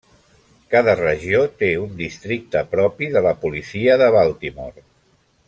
Cada regió té un districte propi de la policia de Baltimore.